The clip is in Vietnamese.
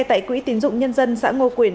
tại quỹ tín dụng nhân dân xã ngô quyền